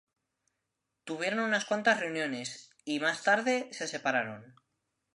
Tuvieron unas cuantas reuniones y, más tarde, se separaron.